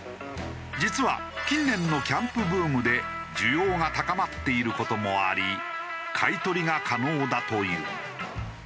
実は近年のキャンプブームで需要が高まっている事もあり買い取りが可能だという。